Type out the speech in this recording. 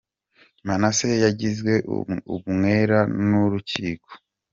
Manase yagizwe umwere n’Urukiko